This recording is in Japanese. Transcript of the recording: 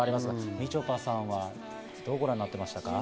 みちょぱさん、どうご覧になっていましたか？